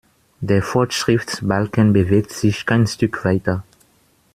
Der Fortschrittsbalken bewegt sich kein Stück weiter.